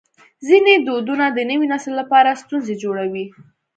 ځینې دودونه د نوي نسل لپاره ستونزې جوړوي.